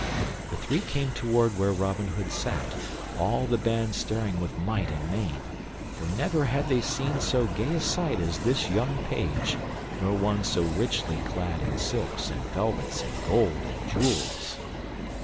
The three came toward where Robin Hood sat, all the band staring with might and main, for never had they seen so gay a sight as this young Page, nor one so richly clad in silks and velvets and gold and jewels.